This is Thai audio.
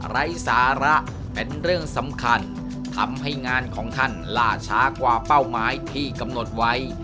ไร้สาระเป็นเรื่องสำคัญทำให้งานของท่านล่าช้ากว่าเป้าหมายที่กำหนดไว้